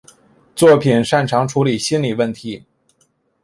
作品擅长处理心理问题。